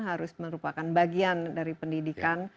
harus merupakan bagian dari pendidikan